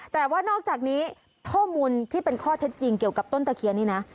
แต่ว่านอกจากนี้ข้อมูลที่เป็นข้อเท็จจริงเกี่ยวกับต้นตะเคียนนี่นะ